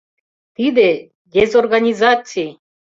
Тиде дезорганизаций!